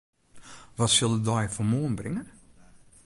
Wat sil de dei fan moarn bringe?